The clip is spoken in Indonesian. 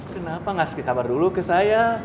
kenapa gak sekitar dulu ke saya